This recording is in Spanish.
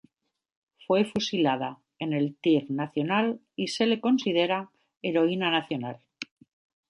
Fue fusilada en el Tir national y se le considera heroína nacional.